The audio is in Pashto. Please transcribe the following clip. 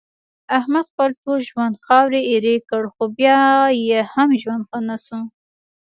احمد خپل ټول ژوند خاورې ایرې کړ، خو بیا یې هم ژوند ښه نشو.